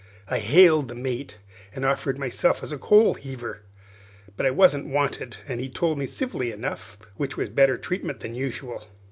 I hailed the mate, an' offered myself for a coal heaver. But I wasn't wanted, as he told me civilly enough, which was better treatment than usual.